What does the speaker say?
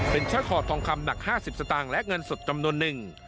เป็นแค่ขอบทองคำหนัก๕๐สตางค์และเงินสดจำนวนหนึ่ง